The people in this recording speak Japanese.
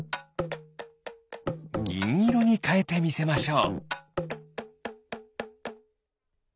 ぎんいろにかえてみせましょう！